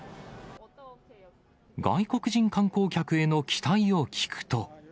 外国人観光客への期待を聞くと。